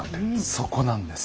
そこなんです。